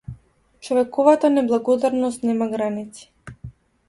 Човековата неблагодарност нема граници.